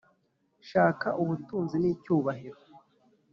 shaka ubutunzi n’icyubahiro,